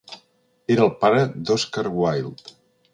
Era el pare d'Oscar Wilde.